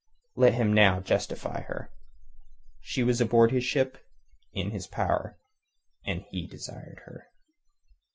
Let him now justify her. She was aboard his ship, in his power, and he desired her.